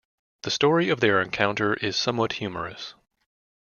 The story of their encounter is somewhat humorous.